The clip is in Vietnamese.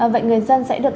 vậy người dân sẽ được